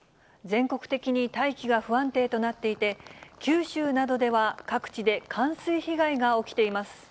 全国的に大気が不安定となっていて、九州などでは各地で冠水被害が起きています。